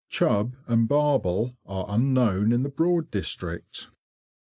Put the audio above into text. Chub and barbel are unknown in the Broad District.